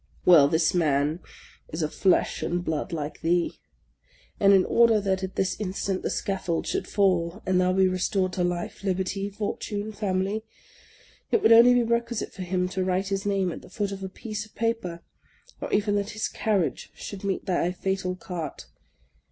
Well, this man is of flesh and blood like thee! And in order that at this instant the scaffold should fall, and thou be restored to life, liberty, fortune, family, it would only be requisite for him to write his name at the foot of a piece of paper; or even that his carriage should meet thy fatal cart!